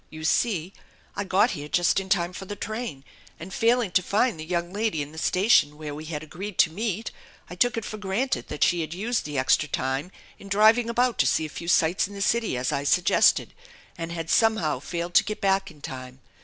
"You see, I got here just in time for the train, and failing to find the young lady in the station where we had agreed to meet, I took it for granted that she had used the extra time in driving about to see a few sights in the city, as I suggested, and had somenow failed to get back in time.